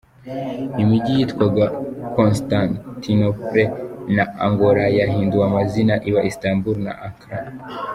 Imijyi yitwaga Constantinople na Angora yahinduye amazina iba Istanbul na Ankara.